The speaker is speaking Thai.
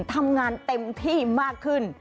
ทำงานเต็มที่มากขึ้น